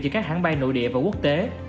vì các hãng bay nội địa và quốc tế